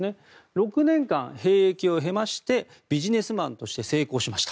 ６年間、兵役を経ましてビジネスマンとして成功しました。